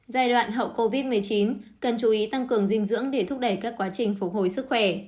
giai đoạn hậu covid một mươi chín cần chú ý tăng cường dinh dưỡng để thúc đẩy các quá trình phục hồi sức khỏe